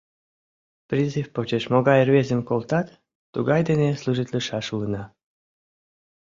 Призыв почеш могай рвезым колтат, тугай дене служитлышаш улына.